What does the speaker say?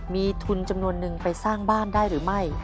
มีทุนจำนวนนึงไปสร้างบ้านได้หรือไม่